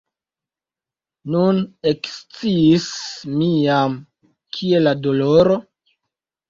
Nun eksciis mi jam, kie la doloro?